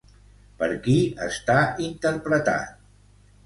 Per qui està interpretat?